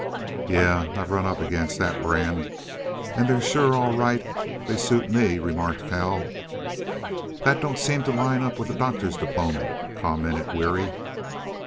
"Yeah I've run up against that brand and they're sure all right. They suit ME," remarked Cal. "That don't seem to line up with the doctor's diploma," commented Weary.